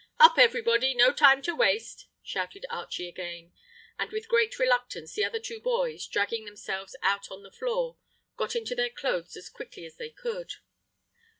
"Up, everybody, no time to waste!" shouted Archie again; and with great reluctance the other two boys, dragging themselves out on the floor, got into their clothes as quickly as they could.